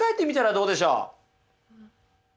どうでしょう？